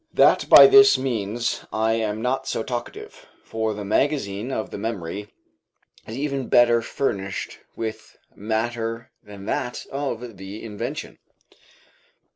That by this means I am not so talkative, for the magazine of the memory is ever better furnished with matter than that of the invention.